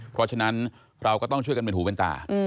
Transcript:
เพราะฉะนั้นเราก็ต้องช่วยกันเป็นหูเป็นตา